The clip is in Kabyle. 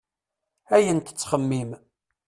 Ayen tettxemmim.